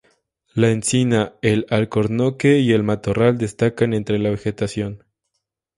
La encina, el alcornoque y el matorral destacan entre la vegetación.